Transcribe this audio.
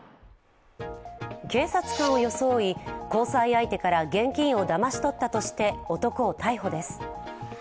警察官を装い交際相手から現金をだまし取ったとして男を逮捕です。